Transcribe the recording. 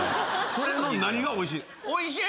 それの何がおいしい？